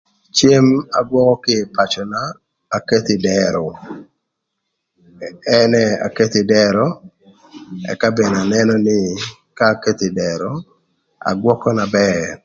Cem agwökö kï ï pacöna, aketho ï dërö ënë aketho ï dërö, ëka mene anënö nï ka aketho ï dërö agwökö na bër.